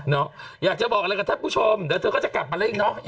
อยากจะบอกอะไรกับท่านผู้ชมเดี๋ยวเธอก็จะกลับมาแล้วอีกเนอะ